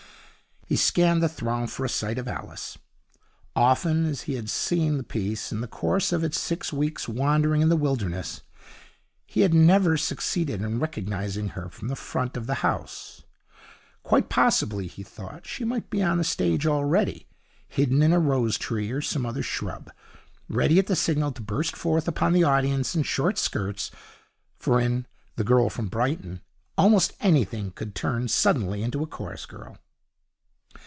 He scanned the throng for a sight of Alice. Often as he had seen the piece in the course of its six weeks' wandering in the wilderness he had never succeeded in recognizing her from the front of the house. Quite possibly, he thought, she might be on the stage already, hidden in a rose tree or some other shrub, ready at the signal to burst forth upon the audience in short skirts; for in 'The Girl From Brighton' almost anything could turn suddenly into a chorus girl.